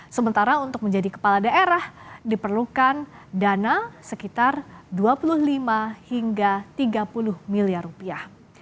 sementara untuk menjadi kepala daerah diperlukan dana sekitar dua puluh lima hingga tiga puluh miliar rupiah